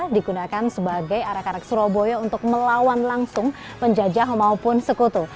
digunakan sebagai arak arak surabaya untuk melawan langsung penjajah maupun sekutu